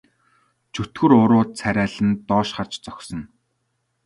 Чөтгөр уруу царайлан доош харж зогсоно.